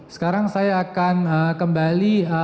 sekarang saya akan kembali